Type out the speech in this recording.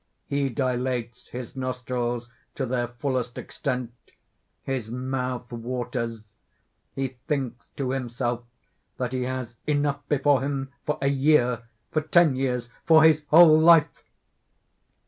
He dilates his nostrils to their fullest extent; his mouth waters; he thinks to himself that he has enough before him for a year, for ten years, for his whole life!